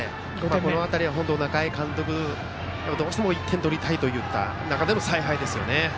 この辺り本当に中井監督はどうしてももう１点取りたいという中での采配ですね。